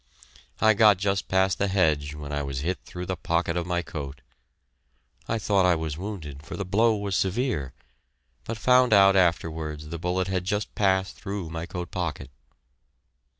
I got just past the hedge when I was hit through the pocket of my coat. I thought I was wounded, for the blow was severe, but found out afterwards the bullet had just passed through my coat pocket.